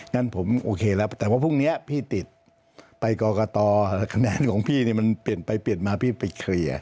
งั้นผมโอเคแล้วแต่ว่าพรุ่งนี้พี่ติดไปกรกตคะแนนของพี่เนี่ยมันเปลี่ยนไปเปลี่ยนมาพี่ไปเคลียร์